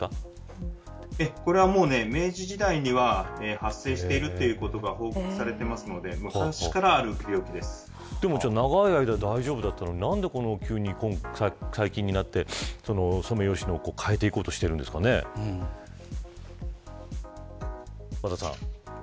これは明治時代には発生しているということが報告されていますのででも長い間、大丈夫だったのに何で急に最近になってソメイヨシノを変えていこうとしているんですかね和田さん。